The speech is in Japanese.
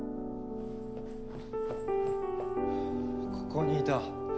ここにいた。